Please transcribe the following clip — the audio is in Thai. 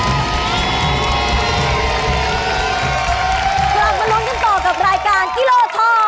ต่อมาครั้งเดียว